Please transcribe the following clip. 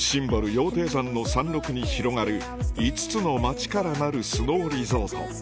羊蹄山の山麓に広がる５つの町からなるスノーリゾート